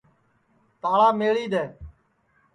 تاݪا میݪی دؔے